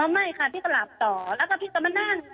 ไม่ค่ะพี่ก็หลับต่อแล้วก็พี่ก็มานั่ง